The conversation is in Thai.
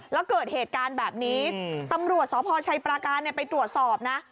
แล้วเกิดเหตุการณ์แบบนี้ตำรวจสร้องพอชัยปราการเนี่ยไปตรวจส่อง